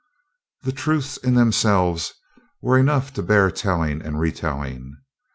The truths in themselves were enough to bear telling and retelling.